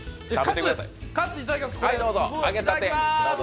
カツ、いただきます！